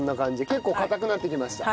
結構硬くなってきました。